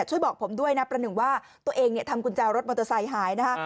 ช่วยบอกผมด้วยนะประหนึ่งว่าตัวเองทำกุญแจรถมอเตอร์ไซค์หายนะคะ